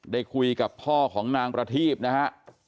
ได้คุยกับพ่อของนางประทีบนะฮะ